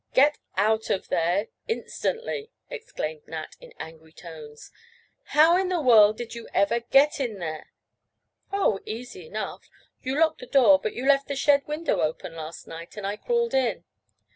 "Get out of there instantly," exclaimed Nat, in angry tones. "How in the world did you ever get in there?" "Oh, easy enough. You locked the door, but you left the shed window open last night, and I crawled in.